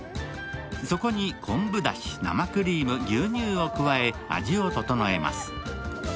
そこに、昆布だし、生クリーム牛乳を加え、味を整えます。